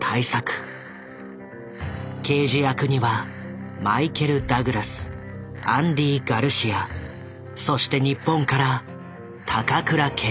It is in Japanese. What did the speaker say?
刑事役にはマイケル・ダグラスアンディ・ガルシアそして日本から高倉健。